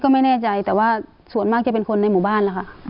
ไม่แน่ใจแต่ว่าส่วนมากจะเป็นคนในหมู่บ้านนะคะ